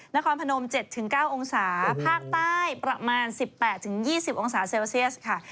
นครพนม๗๙องศาภาคใต้ประมาณ๑๘๒๐องศาเซลเซียสค่ะ